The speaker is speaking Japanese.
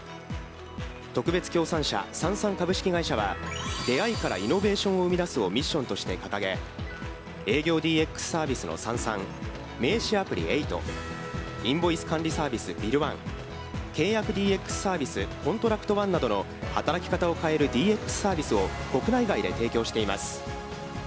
特別協賛社・Ｓａｎｓａｎ株式会社は、「出会いからイノベーションを生み出す」をミッションとして掲げ、営業ＤＸサービスの「Ｓａｎｓａｎ」名刺アプリ「Ｅｉｇｈｔ」インボイス管理サービス「ＢｉｌｌＯｎｅ」契約ＤＸサービス「ＣｏｎｔｒａｃｔＯｎｅ」などの働き方を変えるＤＸサービスを国内外で提供しています。